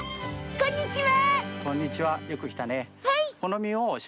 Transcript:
こんにちは。